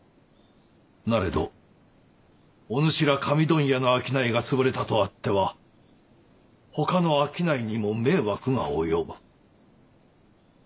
なれどお主ら紙問屋の商いが潰れたとあってはほかの商いにも迷惑が及ぶ。